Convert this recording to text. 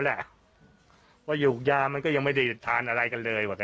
ว่าอยู่อย่างยามันก็ยังไม่ได้ทานอะไรกันเลย